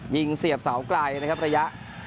เสียบเสาไกลนะครับระยะ